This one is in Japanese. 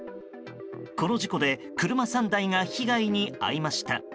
この事故で車３台が被害に遭いました。